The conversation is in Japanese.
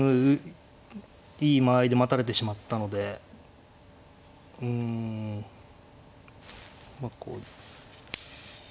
いい間合いで待たれてしまったのでうんまあこう。